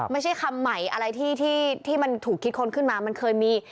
ไม่ใช่คำใหม่อะไรที่มันถูกคิดค้นขึ้นมามันเคยมี